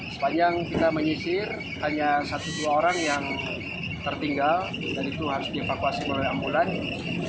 sepanjang kita menyisir hanya satu dua orang yang tertinggal dan itu harus dievakuasi melalui ambulans